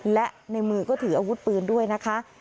และในมือก็ถืออาวุธปืนด้วยนะคะ